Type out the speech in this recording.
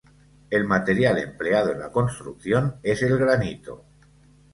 El material empleado en la construcción es el granito.